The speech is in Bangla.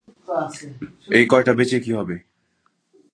এই কয়টা বেচে কী হবে?